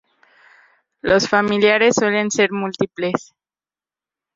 Los familiares suelen ser múltiples.